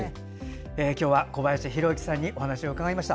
今日は小林弘幸さんにお話を伺いました。